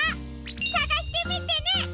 さがしてみてね！